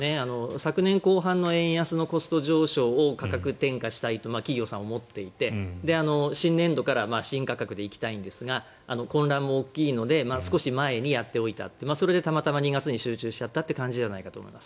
昨年後半の円安のコスト上昇を価格転嫁したいと企業さんは思っていて新年度から新価格で行きたいんですが混乱も大きいので少し前にやっておいたそれがたまたま２月に集中したという感じだと思います。